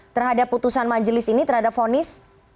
terhadap putusan majelis ini terhadap fonis